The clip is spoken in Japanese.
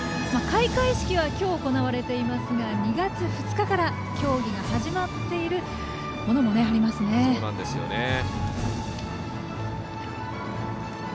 開会式はきょう行われていますが２月２日から競技が始まっているものもありますね。